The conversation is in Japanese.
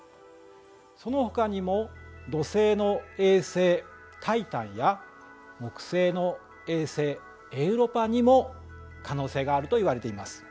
そのほかにも土星の衛星タイタンや木星の衛星エウロパにも可能性があるといわれています。